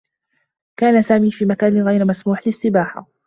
كان سامي في مكان غير مسموح للسّباحة.